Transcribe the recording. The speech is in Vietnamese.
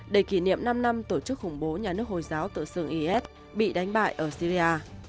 để kỷ niệm năm năm tổ chức khủng bố nhà nước hồi giáo tự xưng is bị đánh bại ở syria